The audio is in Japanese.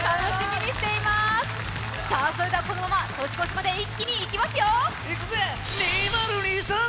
それではこのまま年越しまで一気に行きますよ！